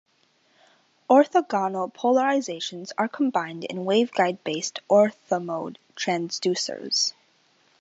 Orthogonal polarizations are combined in waveguide-based orthomode transducers.